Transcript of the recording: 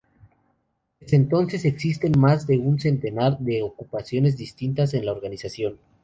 Desde entonces existen más de un centenar de ocupaciones distintas en la organización.